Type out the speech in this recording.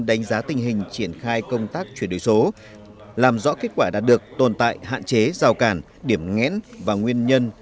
đánh giá tình hình triển khai công tác chuyển đổi số làm rõ kết quả đạt được tồn tại hạn chế rào cản điểm ngẽn và nguyên nhân